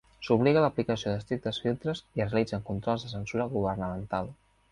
S'obliga a l'aplicació d'estrictes filtres i es realitzen controls de censura governamental.